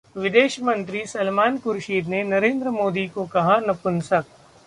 विदेश मंत्री सलमान खुर्शीद ने नरेंद्र मोदी को कहा 'नपुंसक'